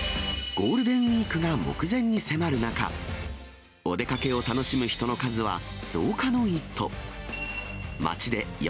ゴールデンウィークが目前に迫る中、お出かけを楽しむ人の数は、増加の一途。